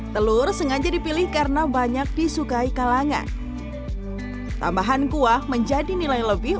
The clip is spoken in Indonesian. telur sengaja dipilih karena banyak disukai kalangan tambahan kuah menjadi nilai lebih